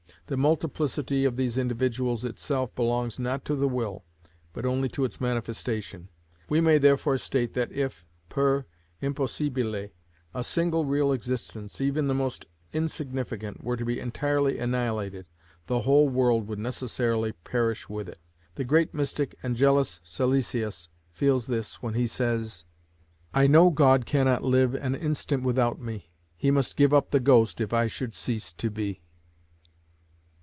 The multiplicity of these individuals itself belongs not to the will, but only to its manifestation. We may therefore say that if, per impossibile, a single real existence, even the most insignificant, were to be entirely annihilated, the whole world would necessarily perish with it. The great mystic Angelus Silesius feels this when he says— "I know God cannot live an instant without me, He must give up the ghost if I should cease to be."